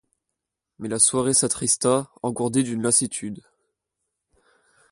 Mais la soirée s'attrista, engourdie d'une lassitude.